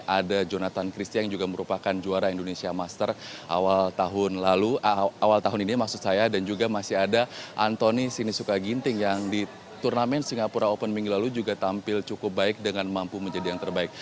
ada jonathan christian yang juga merupakan juara indonesia master awal tahun ini maksud saya dan juga masih ada antoni sinisuka ginting yang di turnamen singapura open minggu lalu juga tampil cukup baik dengan mampu menjadi yang terbaik